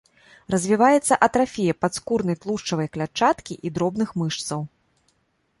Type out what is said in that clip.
Развіваецца атрафія падскурнай тлушчавай клятчаткі і дробных мышцаў.